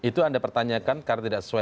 itu anda pertanyakan karena tidak sesuai